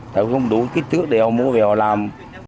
tàu không đủ kích thước để họ mua thì họ làm